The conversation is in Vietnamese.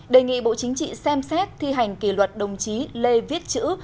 đề nghị bộ chính trị xem xét thi hành kỷ luật đồng chí lê viết chữ